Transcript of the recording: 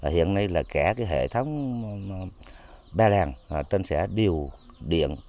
hiện nay là cả hệ thống ba làng trên xã điều điện